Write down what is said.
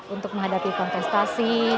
untuk menghadapi kontestasi